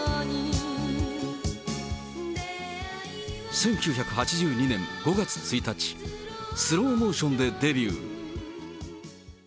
１９８２年５月１日、スローモーションでデビュー。